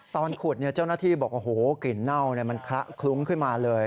ตอนขุดเจ้าหน้าที่บอกโอ้โหกลิ่นเน่ามันคละคลุ้งขึ้นมาเลย